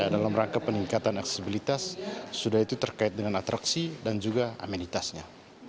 dalam rangka peningkatan aksesibilitas sudah itu terkait dengan atraksi dan juga amenitasnya